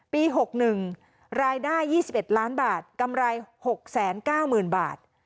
ปี๖๑รายได้๒๑ล้านบาทกำไร๖๙๐๐๐บาท